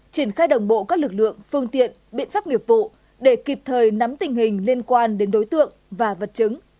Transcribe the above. triển khai đồng bộ các lực lượng phương tiện biện pháp nghiệp vụ để kịp thời nắm tình hình liên quan đến đối tượng và vật chứng